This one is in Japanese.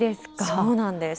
そうなんです。